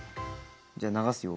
じゃあ流すよ。